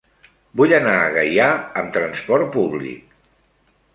Vull anar a Gaià amb trasport públic.